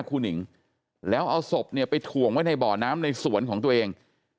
หนิงแล้วเอาศพเนี่ยไปถ่วงไว้ในบ่อน้ำในสวนของตัวเอง